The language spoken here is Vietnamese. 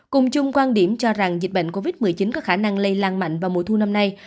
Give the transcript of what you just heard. cùng chung quan điểm cho rằng dịch bệnh covid một mươi chín có khả năng lây lan mạnh vào mùa thu năm nay